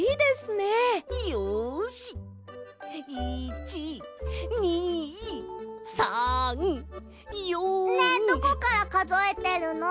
ねえどこからかぞえてるの？